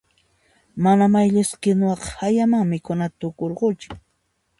Mana mayllisqa kinuwaqa hayaman mikhunata tukurqachin.